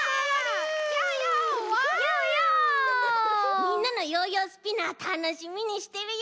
みんなのヨーヨースピナーたのしみにしてるよ！